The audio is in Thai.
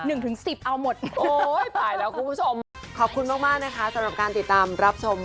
เอาเป็นว่าหนังเข้าวันที่๑๙มกราคม